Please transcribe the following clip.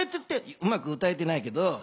うまく歌えてないけど。